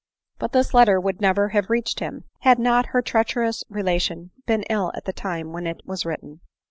But this letter would never have reached him, had not her treacherous relation been ill at the time when it was written.